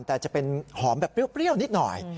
แต่จะเป็นหอมแบบเปรี้ยวนิดหน่อย